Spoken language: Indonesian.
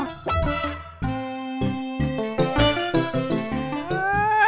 masa ustadz ditawar